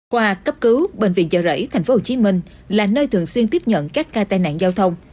khoa cấp cứu bệnh viện chợ rẫy tp hcm là nơi thường xuyên tiếp nhận các ca tai nạn giao thông